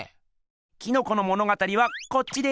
キノコの物語はこっちです。